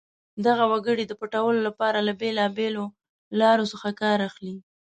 دغه وګړي د پټولو لپاره له بېلابېلو لارو څخه کار اخلي.